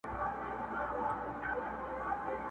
زه به دومره دعاګوی درته پیدا کړم!.